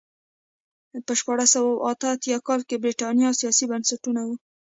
په شپاړس سوه اته اتیا کال کې برېټانیا سیاسي بنسټونه وو.